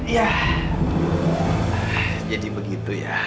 ya jadi begitu ya